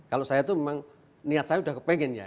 kalau saya itu memang niat saya sudah kepengen ya